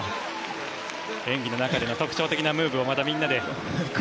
演技の中での特徴的なムーブをまたみんなで。